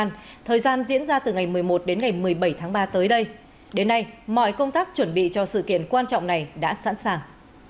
trong thời gian diễn ra từ ngày một mươi một đến ngày một mươi bảy tháng ba tới đây đến nay mọi công tác chuẩn bị cho sự kiện quan trọng này đã sẵn sàng